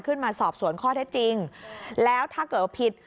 ขึ้นมาสอบสวนข้อเท็จจริงแล้วถ้าเกิดว่าผิด